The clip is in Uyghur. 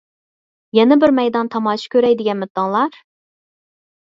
يەنە بىر مەيدان تاماشا كۆرەي دېگەنمىتىڭلار؟